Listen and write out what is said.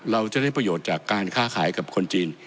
เราจะได้ประโยชน์จากการค้าขายกับคนจีน